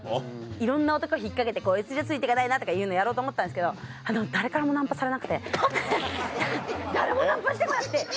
いろんな男を引っ掛けてこいつじゃついてかないなとかやろうと思ったんですけど誰からもナンパされなくて誰もナンパして来なくて。